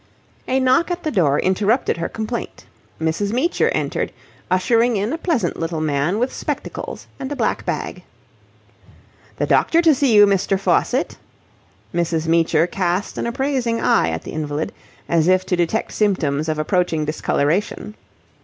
A knock at the door interrupted her complaint. Mrs. Meecher entered, ushering in a pleasant little man with spectacles and black bag. "The doctor to see you, Mr. Faucitt." Mrs. Meecher cast an appraising eye at the invalid, as if to detect symptoms of approaching discoloration.